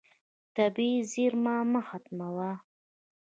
طبیعي زیرمه مه ختموه.